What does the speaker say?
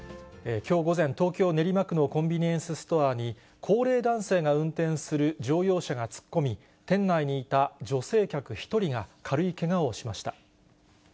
きょう午前、東京・練馬区のコンビニエンスストアに、高齢男性が運転する乗用車が突っ込み、店内にいた女性客１人が軽いけがをしました。